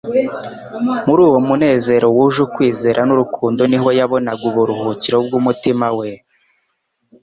muri uwo munezero wuje ukwizera n'urukundo niho yabonaga uburuhukiro bw'umutima we,